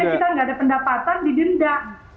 makanya kita nggak ada pendapatan di denda